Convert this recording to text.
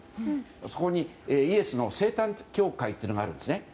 そこに、イエスの生誕教会があるんですね。